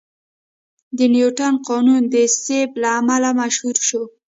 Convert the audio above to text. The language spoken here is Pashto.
د نیوتن قانون د سیب له امله مشهور شو.